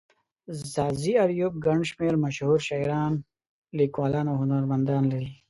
ځاځي اريوب گڼ شمېر مشهور شاعران، ليکوالان او هنرمندان لري.